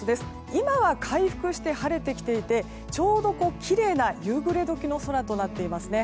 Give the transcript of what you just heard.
今は回復して晴れてきていてちょうど、きれいな夕暮れ時の空となっています。